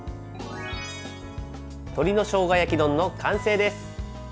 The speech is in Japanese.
鶏のしょうが焼き丼の完成です。